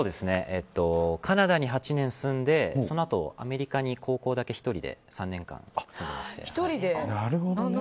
カナダに８年住んで、そのあとアメリカに高校だけ１人で３年間住んでました。